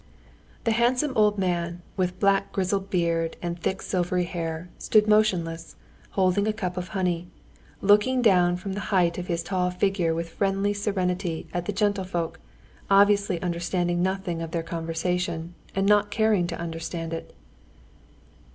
The handsome old man, with black grizzled beard and thick silvery hair, stood motionless, holding a cup of honey, looking down from the height of his tall figure with friendly serenity at the gentlefolk, obviously understanding nothing of their conversation and not caring to understand it.